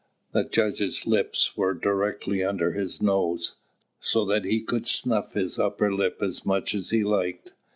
The judge's lips were directly under his nose, so that he could snuff his upper lip as much as he liked.